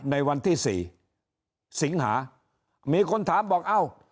ในวันที่สี่สิงหามีคนถามบอกเอ้า